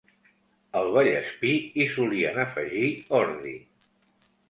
Al Vallespir hi solien afegir ordi.